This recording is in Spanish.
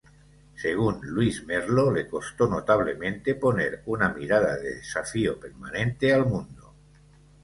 Según Luis Merlo, le costó notablemente poner "una mirada de desafío permanente al mundo".